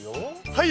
はい！